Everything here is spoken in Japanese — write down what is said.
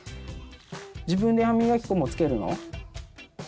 自分で歯みがき粉もつけるの？